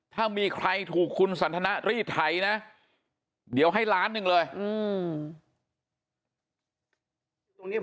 ถ้ามีใครถูกคุณสันทนะรีดไถนะเดี๋ยวให้๑๐๐๐๐๐๐เลย